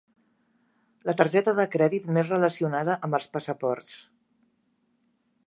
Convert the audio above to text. La targeta de crèdit més relacionada amb els passaports.